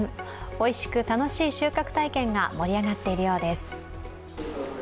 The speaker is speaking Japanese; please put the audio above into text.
おいしく楽しい収穫体験が盛り上がっているようです。